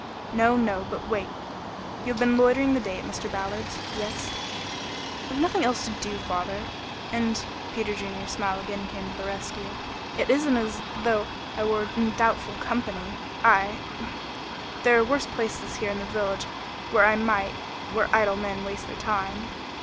"No, no. But wait. You have been loitering the day at Mr. Ballard's? Yes." "I have nothing else to do, father, and " Peter Junior's smile again came to the rescue. "It isn't as though I were in doubtful company I there are worse places here in the village where I might where idle men waste their time."